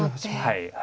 はい。